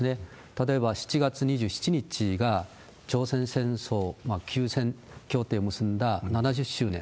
例えば、７月２７日が朝鮮戦争休戦協定を結んだ７０周年。